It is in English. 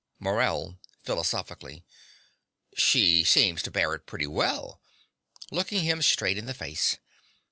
MORELL (philosophically). She seems to bear it pretty well. (Looking him straight in the face.)